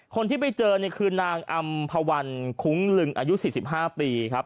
คนที่ไปเจอเนี่ยคือนางอำภาวันคุ้งลึงอายุ๔๕ปีครับ